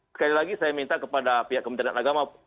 sekali lagi saya minta kepada pihak kementerian agama